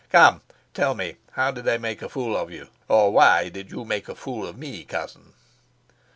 "Come, tell me, how did they make a fool of you, or why did you make a fool of me, cousin?"